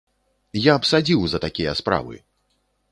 Я б садзіў за такія справы!